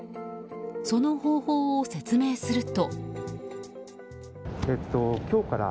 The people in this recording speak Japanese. その方法を説明すると。